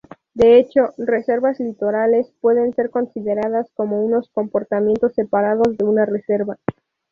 De hecho, Reservas Litorales pueden ser consideradаs como unos compartimientos separados de una reserva.